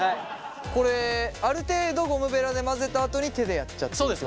これある程度ゴムベラで混ぜたあとに手でやっちゃっていいってことですか？